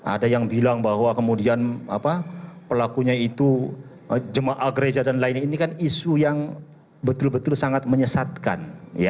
ada yang bilang bahwa kemudian pelakunya itu jemaah gereja dan lain lain ini kan isu yang betul betul sangat menyesatkan